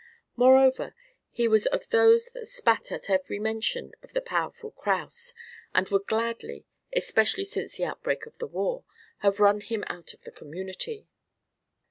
Moreover, he was of those that spat at the very mention of the powerful Kraus, and would gladly, especially since the outbreak of the war, have run him out of the community.